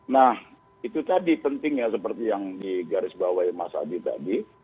nah itu tadi penting seperti yang di garis bawah mas adi tadi